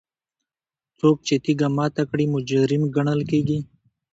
څوک چې تیږه ماته کړي مجرم ګڼل کیږي.